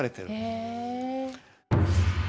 へえ。